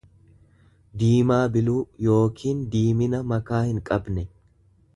diimaa biluu yookiin diimina makaa hinqabne.